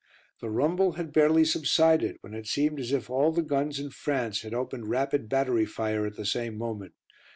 The rumble had barely subsided, when it seemed as if all the guns in France had opened rapid battery fire at the same moment.